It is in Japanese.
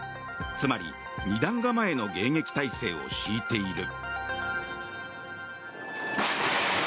つまり２段構えの迎撃態勢を敷いている。